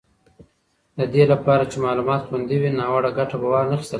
د دې لپاره چې معلومات خوندي وي، ناوړه ګټه به وانخیستل شي.